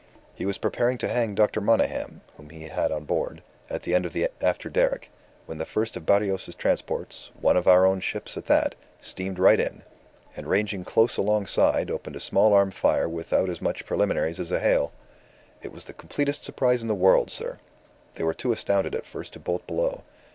"He was preparing to hang Dr. Monygham (whom he had on board) at the end of the after derrick, when the first of Barrios's transports, one of our own ships at that, steamed right in, and ranging close alongside opened a small arm fire without as much preliminaries as a hail. It was the completest surprise in the world, sir. They were too astounded at first to bolt below.